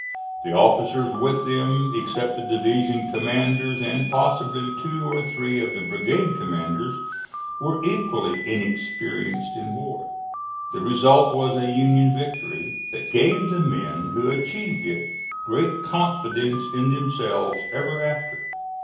The officers with them, except the division commanders and possibly two or three of the brigade commanders, were equally inexperienced in war. The result was a Union victory that gave the men who achieved it great confidence in themselves ever after.